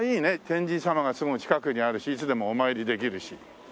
天神様がすぐ近くにあるしいつでもお参りできるし。